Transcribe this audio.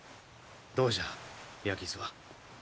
どうじゃ矢傷は。